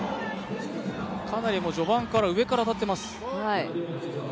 かなり序盤から上から当たっています。